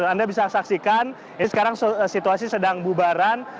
anda bisa saksikan ini sekarang situasi sedang bubaran